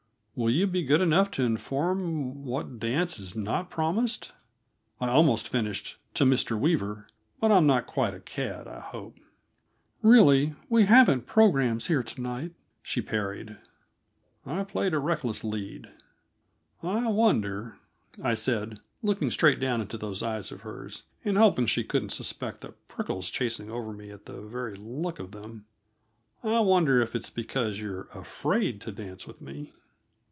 "Will you be good enough to inform what dance is not promised?" I almost finished "to Mr. Weaver," but I'm not quite a cad, I hope. "Really, we haven't programs here to night," she parried. I played a reckless lead. "I wonder," I said, looking straight down into those eyes of hers, and hoping she couldn't suspect the prickles chasing over me at the very look of them "I wonder if it's because you're afraid to dance with me?"